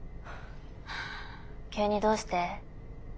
急にどうして？